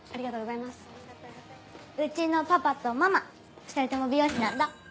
うちのパパとママ２人とも美容師なんだ。